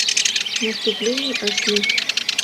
Наступлений ыш лий.